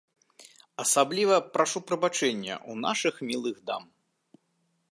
Асабліва прашу прабачэння ў нашых мілых дам!